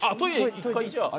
１回じゃあ。